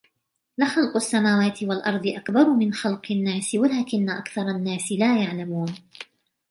لَخَلْقُ السَّمَاوَاتِ وَالْأَرْضِ أَكْبَرُ مِنْ خَلْقِ النَّاسِ وَلَكِنَّ أَكْثَرَ النَّاسِ لَا يَعْلَمُونَ